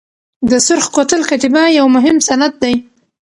د سرخ کوتل کتیبه یو مهم سند دی.